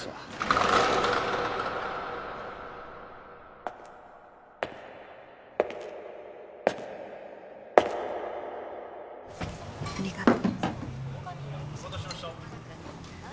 ありがと